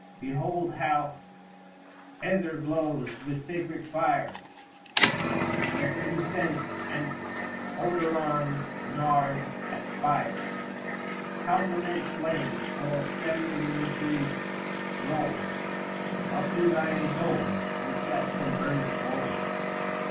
Behold how iEther glows with sacred fire, Where incense and odorous nard aspire ; How lambent flames all tremulously foiled Up to thy dome, reflect from burnished gold.